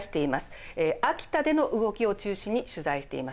秋田での動きを中心に取材しています。